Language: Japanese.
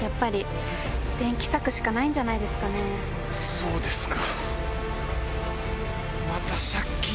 そうですか。